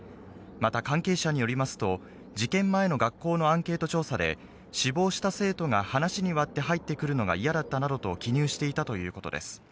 また関係者によりますと、事件前の学校のアンケート調査で、死亡した生徒が話に割って入ってくるのが嫌だったなどと記入していたということです。